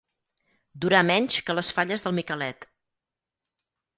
Durar menys que les falles del Miquelet.